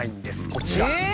こちら。